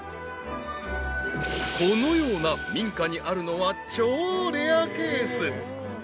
［このような民家にあるのは超レアケース］